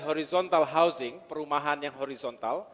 horizontal housing perumahan yang horizontal